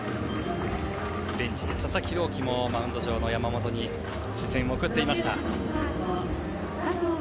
ベンチで佐々木朗希もマウンド上の山本に視線を送っていました。